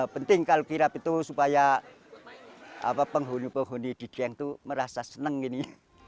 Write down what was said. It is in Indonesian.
penting kalau kirap itu supaya penghuni penghuni di dieng itu merasa senang ini